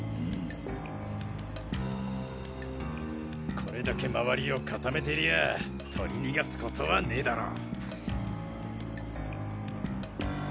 これだけ周りを固めてりゃあ捕り逃がすことはねぇだろう。